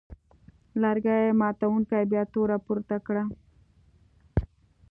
لرګي ماتوونکي بیا توره پورته کړه.